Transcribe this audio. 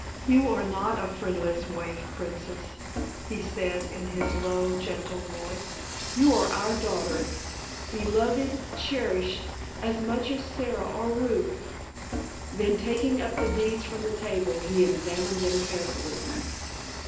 "You are not a friendless waif, Princess," he said in his low, gentle voice, "you are our daughter, beloved, cherished, as much as Sara or Ruth." Then taking up the deeds from the table he examined them carefully.